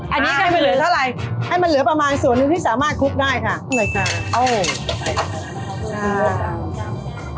อันนี้ก็คือเท่าไหร่ให้มันเหลือประมาณส่วนนึงที่สามารถคลุกได้ค่ะหน่อยค่ะโอ้ย